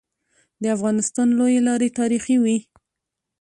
د افغانستان لويي لاري تاریخي وي.